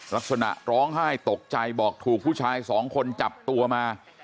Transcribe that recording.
ลักษณะร้องไห้ตกใจบอกถูกผู้ชายสองคนจับตัวมา